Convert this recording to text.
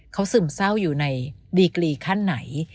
เขาซึมเศร้าอยู่ในดีกรีขั้นไหน